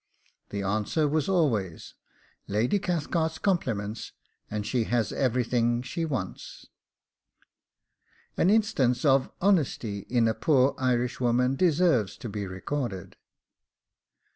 The answer was always, 'Lady Cathcart's compliments, and she has everything she wants.' An instance of honesty in a poor Irishwoman deserves to be recorded.